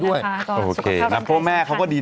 ดื่มน้ำก่อนสักนิดใช่ไหมคะคุณพี่